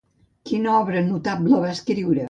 Quina obra notable va escriure?